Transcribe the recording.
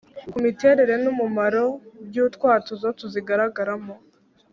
ku miterere n’umumaro by’utwatuzo tuzigaragaramo